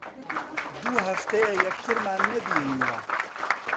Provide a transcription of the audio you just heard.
دوو هەفتەیە یەکترمان نەبینیوە.